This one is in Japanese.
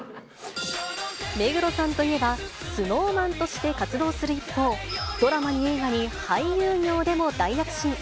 目黒さんといえば、ＳｎｏｗＭａｎとして活動する一方、ドラマに映画に俳優業でも大躍進。